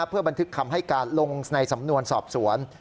เพื่อบันทึกคำให้การลงในสำนวนสอบสวน